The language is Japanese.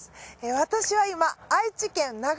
私は今。